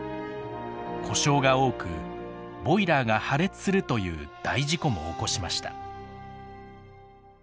故障が多くボイラーが破裂するという大事故も起こしました。